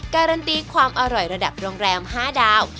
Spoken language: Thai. การันตีความอร่อยระดับโรงแรม๕ดาว